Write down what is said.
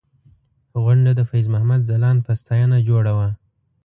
غونډه د فیض محمد ځلاند په ستاینه جوړه وه.